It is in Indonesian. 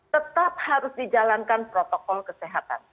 tetap harus dijalankan protokol kesehatan